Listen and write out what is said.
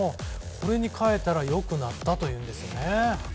これに変えたら良くなったというんです。